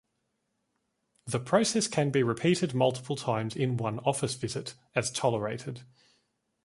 The process can be repeated multiple times in one office visit, as tolerated.